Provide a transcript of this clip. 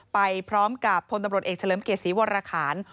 ไปพร้อมกับพลตำรวจเอกเฉลิมเกษีวรรคาณ